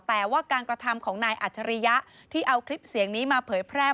แต่ว่าการกระทำของนายอัจฉริยะที่เอาคลิปเสียงนี้มาเผยแพร่